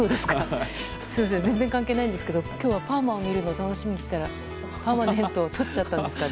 全然関係ないんですけど今日はパーマを見るのを楽しみにしていたらパーマネントをとっちゃったんですかね？